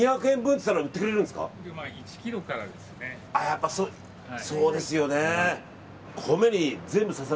やっぱりそうですよね。